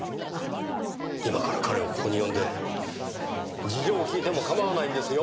今から彼をここに呼んで事情を聴いても構わないんですよ？